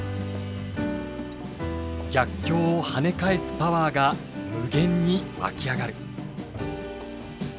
逆境をはね返すパワーが無限に湧き上がる。